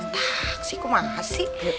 saksi kok mah asik